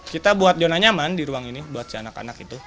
kita buat zona nyaman di ruang ini buat si anak anak itu